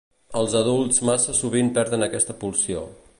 Els adults massa sovint perden aquesta pulsió.